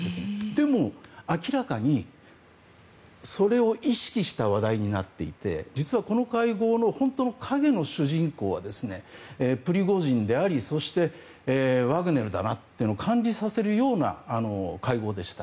でも、明らかにそれを意識した話題になっていて実は、この会合の本当の影の主人公はプリゴジンでありワグネルだなというのを感じさせるような会合でした。